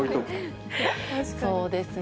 そうですね。